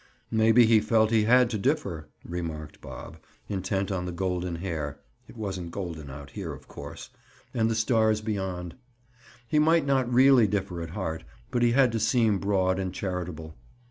"Maybe he felt he had to differ," remarked Bob, intent on the golden hair (it wasn't golden out here, of course) and the stars beyond. "He might not really differ at heart, but he had to seem broad and charitable.